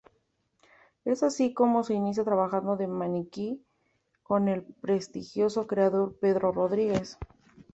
Es así como se inicia trabajando de maniquí con el prestigioso creador Pedro Rodríguez.